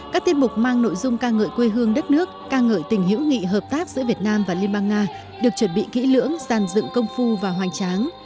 các tiết mục mang nội dung ca ngợi quê hương đất nước ca ngợi tình hữu nghị hợp tác giữa việt nam và liên bang nga được chuẩn bị kỹ lưỡng giàn dựng công phu và hoành tráng